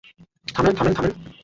থামেন, থামেন, থামেন।